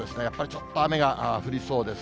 ちょっと雨が降りそうです。